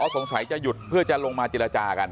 สงสัยจะหยุดเพื่อจะลงมาเจรจากัน